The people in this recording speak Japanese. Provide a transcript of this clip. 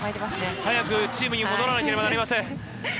早くチームに戻らなければなりません。